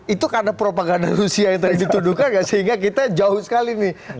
itu karena propaganda rusia yang tadi dituduhkan gak sehingga kita jauh sekali nih